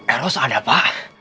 eros ada pak